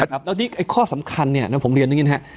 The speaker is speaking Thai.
แล้วนี่ข้อสำคัญผมเรียนอย่างนี้นะครับ